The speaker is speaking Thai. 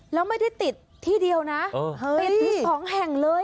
แล้วไม่ได้ติดที่เดียวนะติดถึง๒แห่งเลย